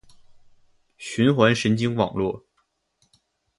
循环神经网络